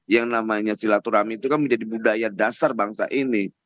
yang namanya silaturahmi itu kan menjadi budaya dasar bangsa ini